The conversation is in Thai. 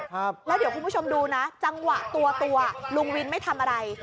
ครับแล้วเดี๋ยวคุณผู้ชมดูนะจังหวะตัวตัวลุงวินไม่ทำอะไร